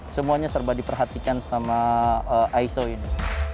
semuanya serba diperhatikan sama iso ini